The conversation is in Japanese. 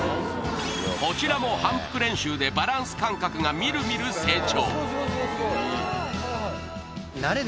こちらも反復練習でバランス感覚がみるみる成長